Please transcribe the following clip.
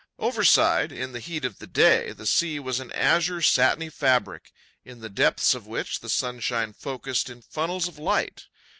Overside, in the heat of the day, the sea was an azure satiny fabric, in the depths of which the sunshine focussed in funnels of light.